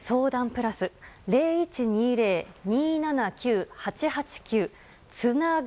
プラス０１２０−２７９−８８９つなぐ